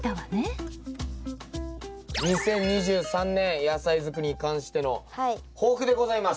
２０２３年野菜づくりに関しての抱負でございます。